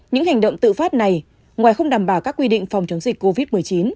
những hành động tự phát này ngoài không đảm bảo các quy định phòng chống dịch covid một mươi chín